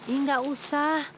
ih gak usah